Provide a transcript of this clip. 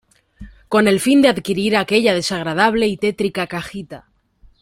con el fin de adquirir aquella desagradable y tétrica cajita